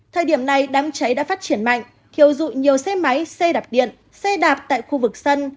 thời điểm này đám cháy đã phát triển mạnh thiêu dụi nhiều xe máy xe đạp điện xe đạp tại khu vực sân